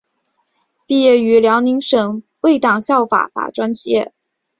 毕业于辽宁省委党校法学专业。